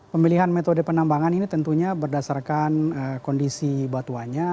pemilihan metode penambangan ini tentunya berdasarkan kondisi batuannya